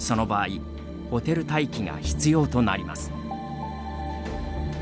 その場合ホテル待機が必要となります。